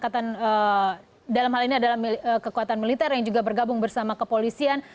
dan dalam hal ini adalah kekuatan militer yang juga bergabung bersama kepolisian